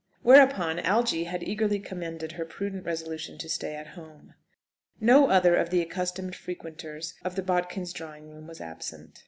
Whereupon Algy had eagerly commended her prudent resolution to stay at home. No other of the accustomed frequenters of the Bodkins' drawing room was absent.